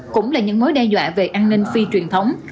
cũng là những mối đe dọa về an ninh phi truyền thống